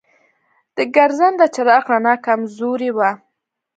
د ګرځنده چراغ رڼا کمزورې وه.